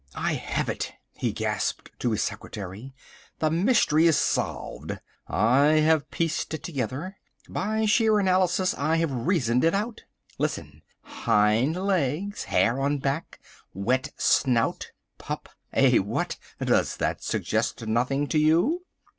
"I have it," he gasped to his secretary. "The mystery is solved. I have pieced it together. By sheer analysis I have reasoned it out. Listen—hind legs, hair on back, wet snout, pup—eh, what? does that suggest nothing to you?"